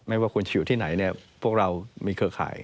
ว่าคุณจะอยู่ที่ไหนเนี่ยพวกเรามีเครือข่าย